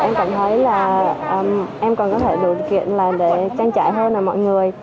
em cảm thấy là em còn có thể lựa chuyện làm để trang trại hơn mọi người